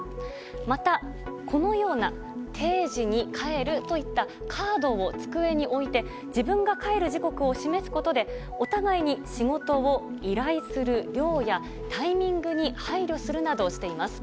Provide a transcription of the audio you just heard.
また、このような定時に帰るといったカードを机に置いて自分が帰る時刻を示すことで、お互いに仕事を依頼する量やタイミングに配慮するなどしています。